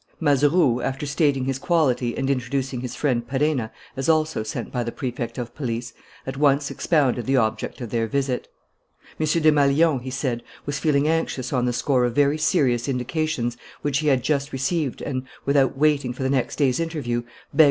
Mazeroux, after stating his quality and introducing his friend Perenna as also sent by the Prefect of Police, at once expounded the object of their visit. M. Desmalions, he said, was feeling anxious on the score of very serious indications which he had just received and, without waiting for the next day's interview, begged M.